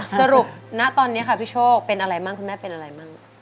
ณตอนนี้ค่ะพี่โชคเป็นอะไรบ้างคุณแม่เป็นอะไรมั่ง